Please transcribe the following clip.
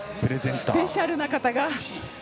スペシャルな方が。